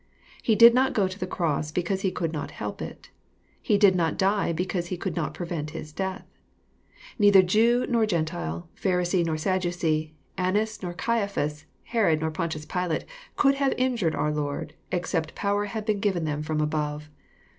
He did not go to the cross because He could not help it. He did not die because He could not prevent His death. Neither Jew nor Gentile, Pharisee nor Sadducee, Annas nor Caiaphas, Herod nor Pontius Pilate, could have injured our. Lord, except power had been given them from above.